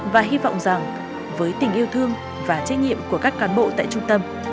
và hy vọng rằng với tình yêu thương và trách nhiệm của các cán bộ tại trung tâm